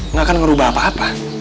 nggak akan merubah apa apa